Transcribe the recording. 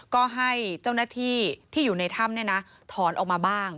ก็ให้เจ้าหน้าที่ที่อยู่ในถ้ำถอนออกมาบ้าง